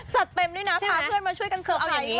จัดเต็มด้วยนะพาเพื่อนมาช่วยกันเซอร์ไพรส์